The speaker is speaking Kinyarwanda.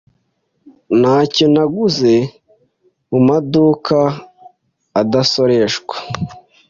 Ntacyo naguze mumaduka adasoreshwa.